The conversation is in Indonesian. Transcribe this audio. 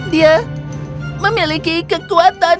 dia memiliki kekuatan